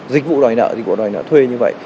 dịch vụ đòi nợ dịch vụ đòi nợ thuê như vậy